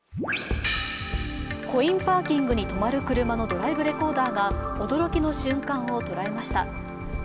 コインパーキングにとまる車のドライブレコーダーが驚きの瞬間を捉えました。